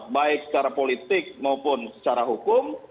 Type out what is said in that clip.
baik secara politik maupun secara hukum